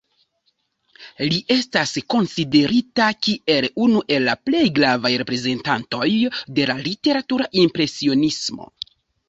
Li estas konsiderita kiel unu el la plej gravaj reprezentantoj de la literatura impresionismo.